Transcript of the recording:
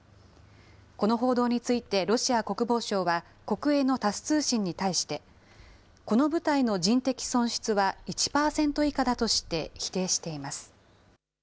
この報道についてロシア国防省は国営のタス通信に対して、この部隊の人的損失は１％以下だとして否定しています。